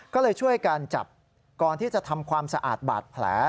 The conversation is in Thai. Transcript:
ก็เลยช่วยการจับก่อนที่จะทำความสะอาดบาดแผล